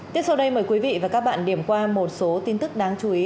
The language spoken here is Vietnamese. tiếp sau đây mời quý vị và các bạn điểm qua một số tin tức đáng chú ý